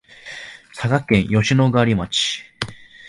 佐賀県吉野ヶ里町